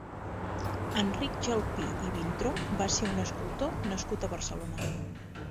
Enric Gelpí i Vintró va ser un escultor nascut a Barcelona.